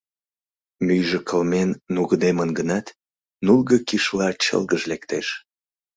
Мӱйжӧ кылмен нугыдемын гынат, нулго кишла чылгыж лектеш.